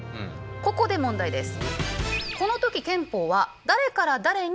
ここで問題です。